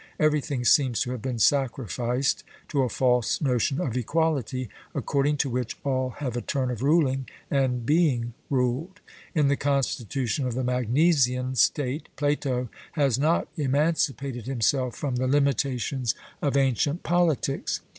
Everything seems to have been sacrificed to a false notion of equality, according to which all have a turn of ruling and being ruled. In the constitution of the Magnesian state Plato has not emancipated himself from the limitations of ancient politics.